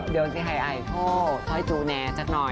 เดี๋ยวสิให้ไอโทค่อยจูแนสักหน่อย